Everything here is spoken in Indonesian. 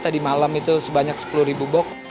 di malam itu sebanyak sepuluh bok